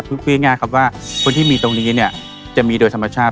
เพื่อง่ายว่าคนที่มีเงินตรงนี้จะมีโดยธรรมชาติ